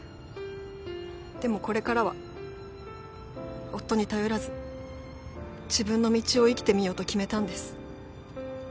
でもこれからは夫に頼らず自分の道を生きてみようと決めたんです。